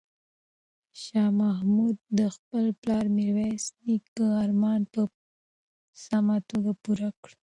شاه محمود د خپل پلار میرویس نیکه ارمان په سمه توګه پوره کړ.